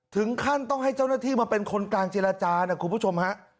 ถึงขั้นต้องให้เจ้าหน้าที่มาเป็นคนกลางเจรจานะคุณผู้ชมฮะ